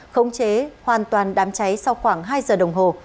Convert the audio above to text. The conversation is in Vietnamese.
khống chế hoàn toàn đám cháy sau khoảng hai giờ đồng hồ